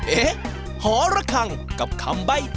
เอ๊ะหอระคังกับคำใบ้